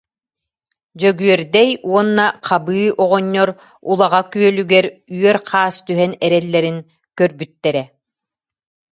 Дьөгүөрдэй уонна Хабыы оҕонньор Улаҕа күөлүгэр үөр хаас түһэн эрэллэрин көрбүттэрэ